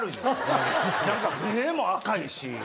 何か目も赤いし。